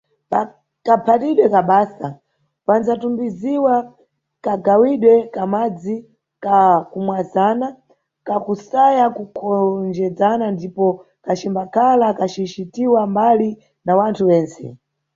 Pakaphatidwe ka basa, pandzatumbiziwa kagawidwe ka madzi ka kumwazana, ka kusaya kukonchezana ndipo kacimbakhala kacicitiwa mbali na wanthu wentse.